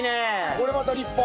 これまた立派。